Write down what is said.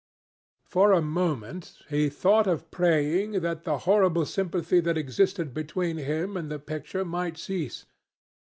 For a moment, he thought of praying that the horrible sympathy that existed between him and the picture might cease.